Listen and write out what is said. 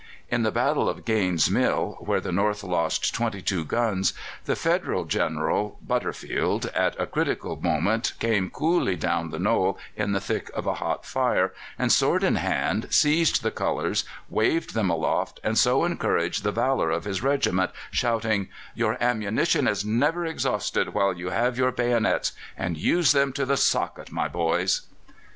In the battle of Gaine's Mill, where the North lost twenty two guns, the Federal General Butterfield at a critical moment came coolly down the knoll in the thick of a hot fire, and sword in hand, seized the colours, waved them aloft, and so encouraged the valour of his regiment, shouting: "Your ammunition is never exhausted while you have your bayonets; and use them to the socket, my boys!"